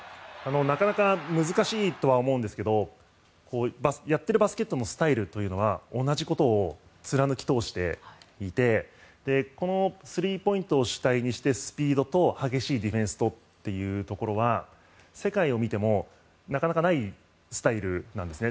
なかなか難しいとは思うんですがやっているバスケットのスタイルというのは同じことを貫き通していてこのスリーポイントを主体にしてスピードと激しいディフェンスとというところは世界を見てもなかなかないスタイルなんですね。